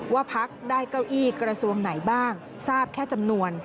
ว่าพักได้เก้าอี้กระทรวงไหนบ้างทราบแค่จำนวน